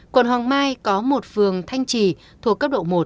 quận hoàng mai có một phường thanh trì thuộc cấp độ một